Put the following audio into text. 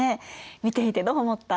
見ていてどう思った？